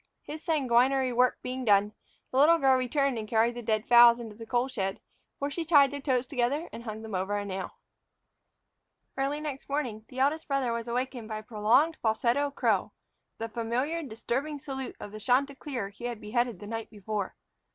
His sanguinary work being done, the little girl returned and carried the dead fowls into the coal shed, where she tied their toes together and hung them over a nail. Early next morning the eldest brother was awakened by a prolonged falsetto crow, the familiar disturbing salute of the chanticleer he had beheaded the night before!